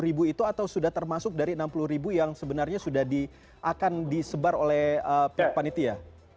dua puluh ribu itu atau sudah termasuk dari enam puluh ribu yang sebenarnya sudah akan disebar oleh pihak panitia